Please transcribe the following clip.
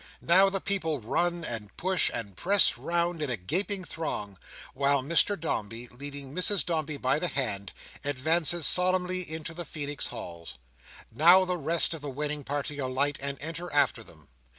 Now, the people run, and push, and press round in a gaping throng, while Mr Dombey, leading Mrs Dombey by the hand, advances solemnly into the Feenix Halls. Now, the rest of the wedding party alight, and enter after them.